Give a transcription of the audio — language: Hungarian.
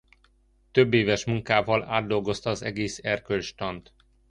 Többéves munkával átdolgozta az egész erkölcstant.